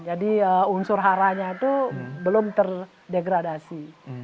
jadi unsur haranya itu belum terdegradasi